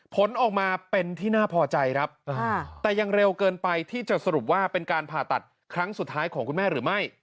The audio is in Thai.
ผลออกมาเป็นที่น่าพอใจครับแต่ยังเร็วเกินไปที่จะสรุปว่าเป็นการผ่าตัดครั้งสุดท้ายของคุณแม่หรือไม่